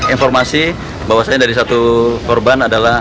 informasi bahwasannya dari satu korban adalah